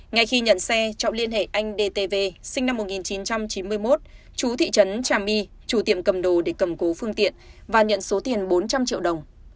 ngay khi nhận xe trọng liên hệ anh dtv sinh năm một nghìn chín trăm chín mươi một chú thị trấn trà my chủ tiệm cầm đồ để cầm cố phương tiện và nhận số tiền bốn trăm linh triệu đồng